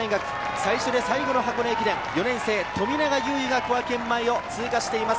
最初で最後の箱根駅伝、４年生・冨永裕憂が小涌園前を通過しています。